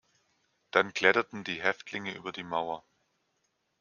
Dann kletterten die Häftlinge über die Mauer.